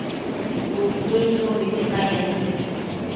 Ushtuidshun mibi cainembi